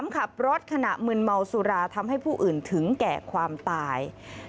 ขับรถขณะมืนเมาสุราทำให้ผู้อื่นถึงแก่ความตาย